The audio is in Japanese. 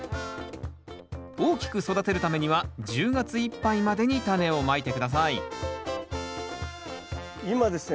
大きく育てるためには１０月いっぱいまでにタネをまいて下さい今ですね